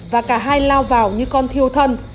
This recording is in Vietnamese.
và cả hai lao vào như con thiêu thân